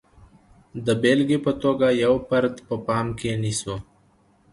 د بېلګې په توګه یو فرد په پام کې نیسو.